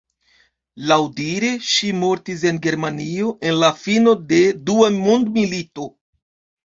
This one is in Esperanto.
Laŭdire, ŝi mortis en Germanio en la fino de Dua Mondmilito.